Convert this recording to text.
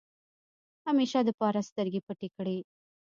همېشه دپاره سترګې پټې کړې ۔